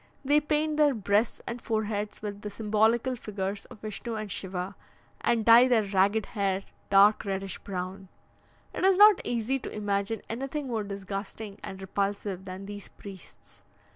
They paint their breasts and foreheads with the symbolical figures of Vishnu and Shiva, and dye their ragged hair dark reddish brown. It is not easy to imagine anything more disgusting and repulsive than these priests.